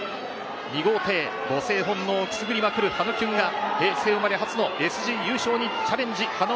２号艇母性本能をくすぎりまくる羽野キュンが平成生まれ初のＳＧ優勝に初挑戦。